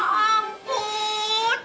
oh ya ampun